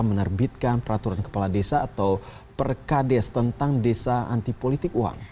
menerbitkan peraturan kepala desa atau perkades tentang desa antipolitik uang